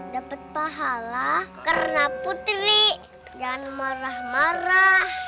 dapat pahala karena putri jangan marah marah